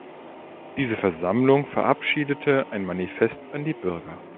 Diese Versammlung verabschiedete ein Manifest an die Bürger.